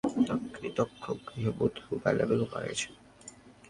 চট্টগ্রাম নগরের শেরশাহ বাংলাবাজার এলাকায় গুরুতর অগ্নিদগ্ধ গৃহবধূ লায়লা বেগম মারা গেছেন।